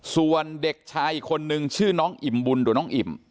ส่วนเด็กชายอีกคนนึงชื่อน้องอิ่มบุญหรือน้องอิ่ม